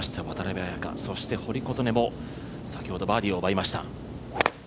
渡邉彩香、そして堀琴音も先ほどバーディーを奪いました。